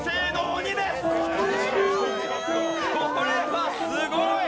これはすごい！